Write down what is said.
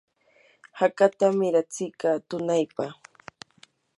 hakatam miratsiyka tunaypa.